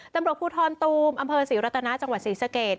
ตำรวจภูทรตูมอำเภอศรีรัตนาจังหวัดศรีสเกต